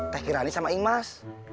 teh kirani sama imas